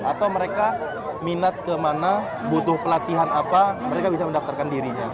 atau mereka minat kemana butuh pelatihan apa mereka bisa mendaftarkan dirinya